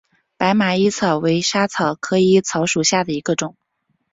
白马薹草为莎草科薹草属下的一个种。